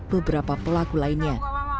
beberapa pelaku lainnya